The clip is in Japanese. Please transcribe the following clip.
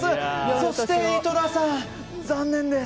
そして、井戸田さん残念です。